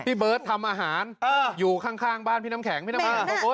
พี่เบิร์ตทำอาหารอยู่ข้างบ้านพี่น้ำแข็งพี่น้ำแข็ง